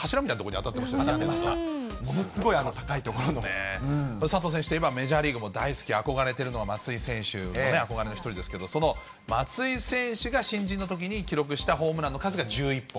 当たってました、ものすごい佐藤選手といえば、メジャーリーグも大好き、憧れてるのは松井選手もね、憧れの一人ですけど、その松井選手が新人のときに記録したホームランの数が１１本。